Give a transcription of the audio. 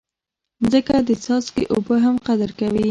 مځکه د څاڅکي اوبه هم قدر کوي.